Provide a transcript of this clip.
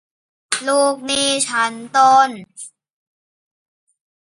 ลูกหนี้ชั้นต้น